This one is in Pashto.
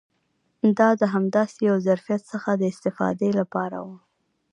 دا د همداسې یو ظرفیت څخه د استفادې لپاره و.